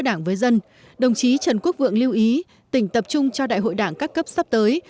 đảng với dân đồng chí trần quốc vượng lưu ý tỉnh tập trung cho đại hội đảng các cấp sắp tới